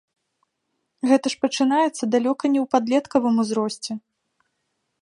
Гэта ж пачынаецца далёка не ў падлеткавым узросце.